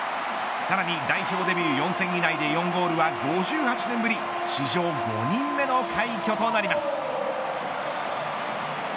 さらに、代表デビュー４戦以内で４ゴールは５８年ぶり史上５人目の快挙となります。